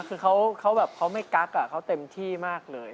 คือเขาแบบเขาไม่กักเขาเต็มที่มากเลย